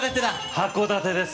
函館です